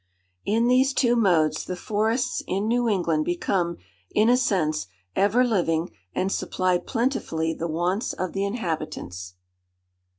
In these two modes the forests in New England become, in a sense, ever living, and supply plentifully the wants of the inhabitants."